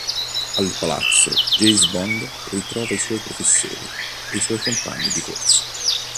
Al palazzo, James Bond ritrova i suoi professori e i suoi compagni di corso.